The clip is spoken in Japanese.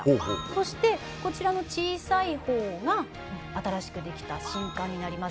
そしてこちらの小さい方が新しく出来た新館になります。